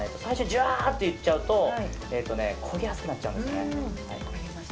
ジュワーってやっちゃうと焦げやすくなっちゃうんですね。